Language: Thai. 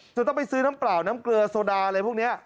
จะต้องไปซื้อน้ำเปล่าน้ำเกลือโซดาอะไรพวกนี้